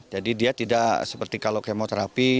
jadi dia tidak seperti kalau kemoterapi